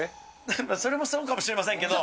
それもそうかもしれませんけれども。